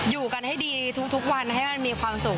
อยู่กันให้ดีทุกวันให้มันมีความสุข